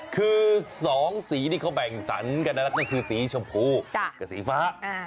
คือ๒สีที่เขาแบ่งสรรกันก็คือสีชมพูกับสีฟ้า